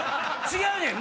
違うねん！